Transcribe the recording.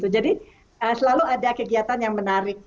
jadi selalu ada kegiatan yang menarik